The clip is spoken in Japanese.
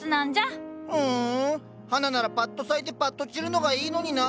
ふん花ならパッと咲いてパッと散るのがいいのにな！